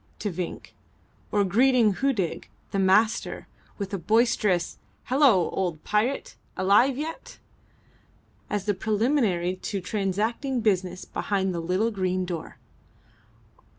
to Vinck, or greeting Hudig, the Master, with a boisterous "Hallo, old pirate! Alive yet?" as a preliminary to transacting business behind the little green door.